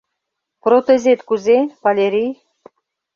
Протезет кузе, Валерий?